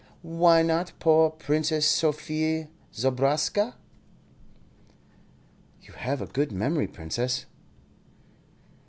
Why not poor Princess Sophie Zobraska?" "You have a good memory, Princess."